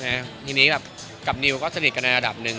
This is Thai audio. ฉะนั้นกับนิวสนิทกันระดับหนึ่ง